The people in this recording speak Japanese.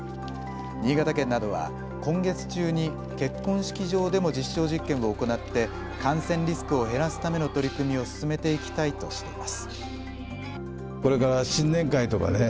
新潟県などは今月中に結婚式場でも実証実験を行って感染リスクを減らすための取り組みを進めていきたいとしています。